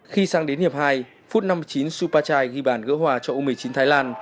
khi sang đến hiệp hai phút năm mươi chín supa chai ghi bản gỡ hòa cho u một mươi chín thái lan